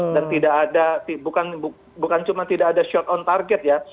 dan tidak ada bukan cuma tidak ada shot on target ya